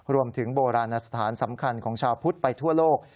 โบราณสถานสำคัญของชาวพุทธไปทั่วโลก